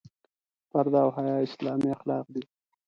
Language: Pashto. پرده او حیا اسلامي اخلاق دي.